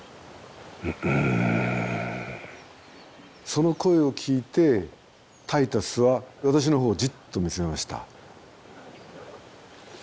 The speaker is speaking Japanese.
その声を聞いてタイタスは私のほうをじっと見つめました。